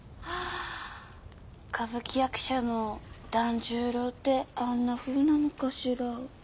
歌舞伎役者の團十郎ってあんなふうなのかしら？